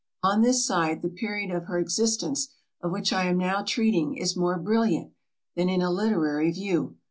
On this side, the period of her existence of which I am now treating, is more brilliant, than in a literary view.